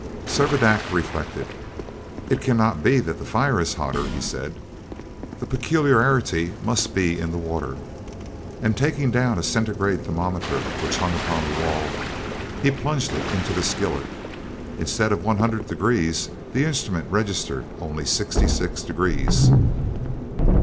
Servadac reflected. "It cannot be that the fire is hotter," he said, "the peculiarity must be in the water." And taking down a centigrade thermometer, which hung upon the wall, he plunged it into the skillet. Instead of 100 degrees, the instrument registered only 66 degrees.